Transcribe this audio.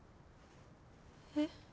えっ？